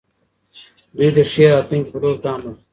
دوی د ښې راتلونکې په لور ګام اخلي.